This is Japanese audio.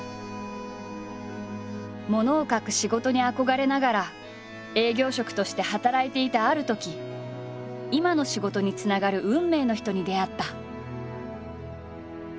ものを書く仕事に憧れながら営業職として働いていたあるとき今の仕事につながる運命の人に出会った。